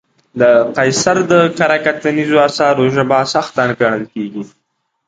د قیصر د کره کتنیزو اثارو ژبه سخته ګڼل کېږي.